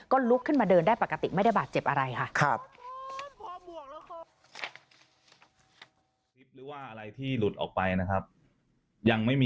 ก็ลุกขึ้นมาเดินได้ปกติไม่ได้บาดเจ็บอะไรค่ะ